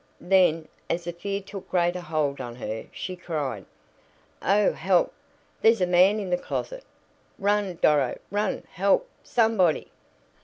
Then, as the fear took greater hold on her, she cried: "Oh, help! There's a man in the closet! Run, Doro! run! Help, somebody!"